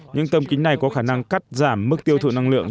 những tấm kính này có khả năng cắt giảm mức tiêu thụ năng lượng